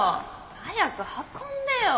早く運んでよ！